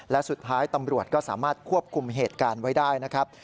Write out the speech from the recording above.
และสุดท้ายตำรวจก็สามารถควบคุมเหตุการณ์ไว้ได้นะครับ